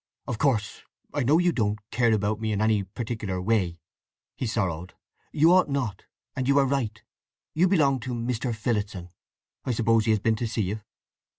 "Of course—I know you don't—care about me in any particular way," he sorrowed. "You ought not, and you are right. You belong to—Mr. Phillotson. I suppose he has been to see you?"